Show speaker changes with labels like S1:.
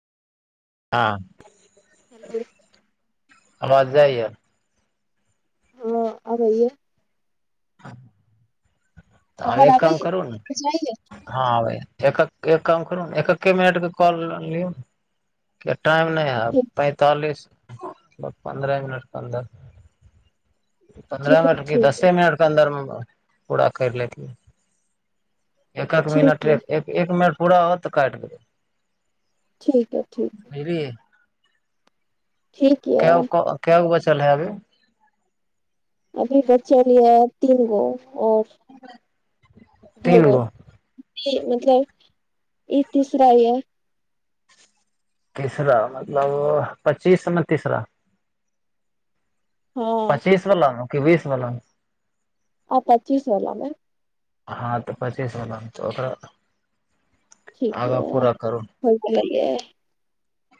S1: हँ
S2: हेलो
S1: आवाज जाइय
S2: आबैय
S1: ह त आ
S2: हमर
S1: एक काम
S2: अबैये
S1: करू ने
S2: बुझाइये
S1: हँ आवैय एक काम करू ने एक्कके मिनटके कॉल लियो टाइम नहि हय
S2: ठीक
S1: पैंतालिस बस पन्द्रह मिनट क अन्दर पन्द्रह
S2: ठीक
S1: मिनट क
S2: ठीक है
S1: दसे मिनट के अन्दरमे पूराा करि लेकेै एक एक
S2: ठीक
S1: मिनट
S2: य
S1: एक एक मिनट पूरा हो तऽ कायट देबैय
S2: ठीक ह ठीक ठीक य
S1: के गो क के गो चल आब
S2: अभी बचल य तीनगो आओर
S1: तीन
S2: दूगो
S1: गो
S2: इ मतलब इ तीसरा हियै
S1: तीसरा मतलब पच्चीस में तीसरा
S2: हँ
S1: पच्चीस बला मे कि बीस बला मे
S2: आ पचीस‌ बला‌ मे
S1: हँ तऽ पच्चीसवालमे त ओकरा‌ तऽ
S2: ठीके
S1: आगाँ पूरा करू
S2: होइ‌‌ त